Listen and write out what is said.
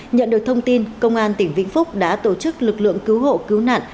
nhận được thông tin công an tỉnh vĩnh phúc đã tổ chức lực lượng cứu hộ cứu nạn